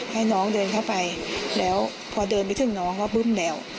ให้น้องเดินเข้าไปแล้วพอเดินไปถึงน้องก็บึ้มแล้ว